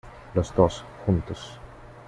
los dos, juntos.